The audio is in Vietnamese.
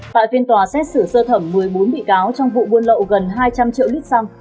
tại phiên tòa xét xử sơ thẩm một mươi bốn bị cáo trong vụ buôn lậu gần hai trăm linh triệu lít xăng